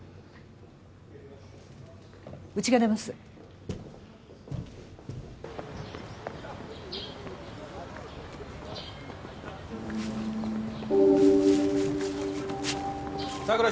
うちが出ます佐久良